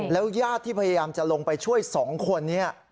ญาติที่พยายามจะลงไปช่วย๒คนนี้